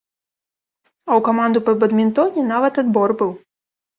А ў каманду па бадмінтоне нават адбор быў!